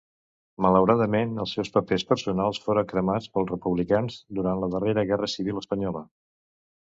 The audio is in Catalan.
Malauradament, els seus papers personals foren cremats pels republicans durant la darrera Guerra Civil espanyola.